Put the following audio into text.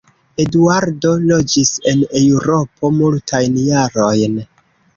Eduardo loĝis en Eŭropo multajn jarojn.